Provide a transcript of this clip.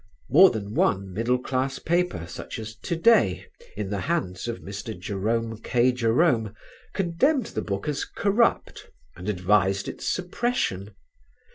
More than one middle class paper, such as To Day in the hands of Mr. Jerome K. Jerome, condemned the book as "corrupt," and advised its suppression.